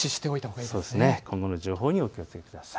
今後の情報にお気をつけください。